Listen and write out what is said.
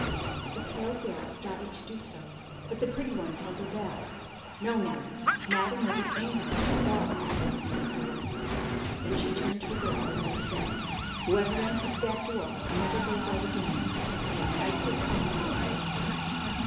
The pale girl started to do so, but the pretty one held her back. "No, Nellie; Madam will be angry with us all if you open that door." Then she turned to Elizabeth, and said: "Whoever enters that door never goes out again. You are nicely caught, my dear."